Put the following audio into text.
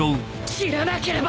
斬らなければ！